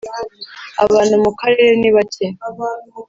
Abantu mu karere nibake.